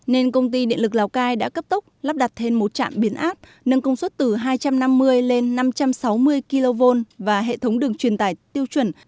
nên công ty điện lực lào cai đã cấp tốc lắp đặt thêm một trạm biến áp nâng công suất từ hai trăm năm mươi lên năm trăm sáu mươi kv và hệ thống đường truyền tải tiêu chuẩn